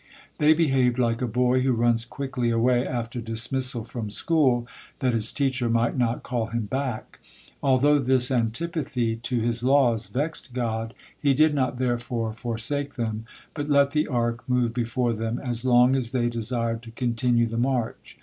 They behaved like a boy who runs quickly away after dismissal from school, that his teacher might not call him back. Although this antipathy to His laws vexed God, He did not therefore forsake them, but let the Ark move before them as long as they desired to continue the march.